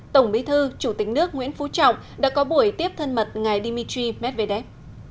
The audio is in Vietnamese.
tổng bí thư chủ tịch nước nguyễn phú trọng đã có buổi tiếp thân mật ngài dmitry medvedev